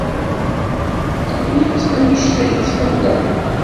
Tḥemmel-itt anect ay tt-ḥemmleɣ.